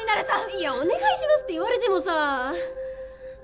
いや「お願いします」って言われてもさあ。